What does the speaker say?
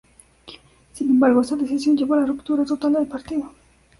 Sin embargo, esta decisión llevó a la ruptura total del partido.